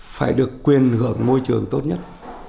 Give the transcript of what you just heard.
phải được quyền hưởng môi trường tốt nhất